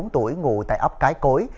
hai mươi bốn tuổi ngủ tại ấp cái cối